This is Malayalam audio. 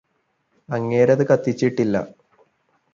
അങ്ങേരത് കത്തിച്ചിട്ടില്ല